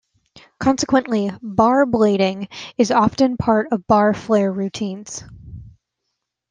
Consequently, 'bar blading' is often part of bar flair routines.